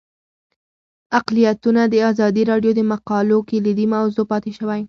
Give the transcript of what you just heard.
اقلیتونه د ازادي راډیو د مقالو کلیدي موضوع پاتې شوی.